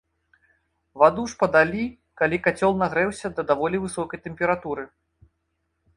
Ваду ж падалі, калі кацёл нагрэўся да даволі высокай тэмпературы.